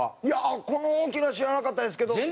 いやあこの大きな知らなかったですけど。